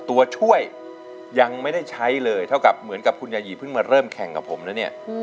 ตัวช่วยยังไม่ได้ใช้เลยเหมือนคุณยายีเพิ่งมาเริ่มแข่งกับผมนะเนี่ย